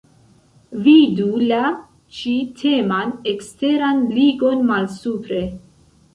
Vidu la ĉi-teman eksteran ligon malsupre.